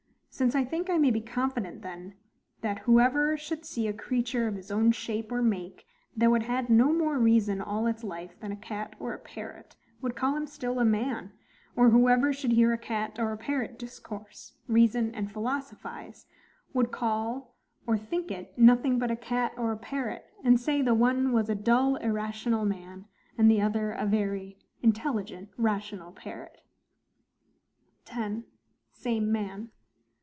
Since I think I may be confident, that, whoever should see a creature of his own shape or make, though it had no more reason all its life than a cat or a parrot, would call him still a MAN; or whoever should hear a cat or a parrot discourse, reason, and philosophize, would call or think it nothing but a CAT or a PARROT; and say, the one was a dull irrational man, and the other a very intelligent rational parrot. 10. Same man.